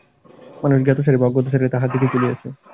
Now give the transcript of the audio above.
মানুষ জ্ঞাতসারে বা অজ্ঞাতসারে তাঁহার দিকেই চলিয়াছে।